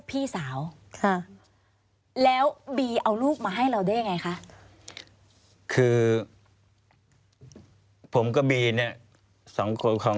ควิทยาลัยเชียร์สวัสดีครับ